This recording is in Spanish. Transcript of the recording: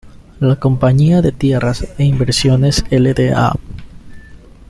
La Compañía de Tierras e Inversiones Lda.